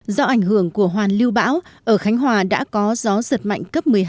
do ảnh hưởng của hoàn lưu bão ở khánh hòa đã có gió giật mạnh cấp